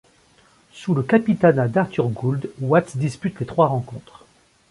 Sous le capitanat d'Arthur Gould, Watts dispute les trois rencontres.